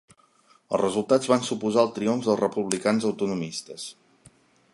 Els resultats van suposar el triomf dels republicans autonomistes.